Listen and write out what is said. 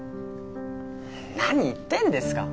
何言ってんですか！